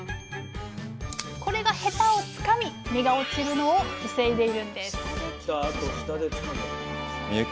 これがヘタをつかみ実が落ちるのを防いでいるんです深雪